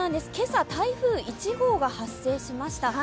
今朝、台風１号が発生しました。